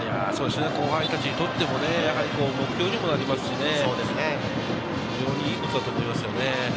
後輩たちにとっても目標にもなりますし、非常にいいことだと思いますよね。